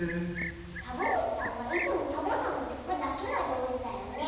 サボぐちさんはいつもサボさんのきょくだけはじょうずだよね。